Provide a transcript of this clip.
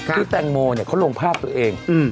แตงโมเขาลงภาพตัวเอง